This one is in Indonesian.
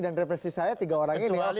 dan referensi saya tiga orang ini